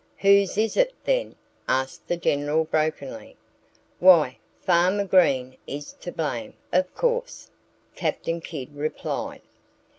"Whose is it, then?" asked the General brokenly. "Why, Farmer Green is to blame, of course!" Captain Kidd replied.